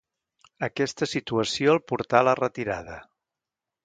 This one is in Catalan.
Aquesta situació el portà a la retirada.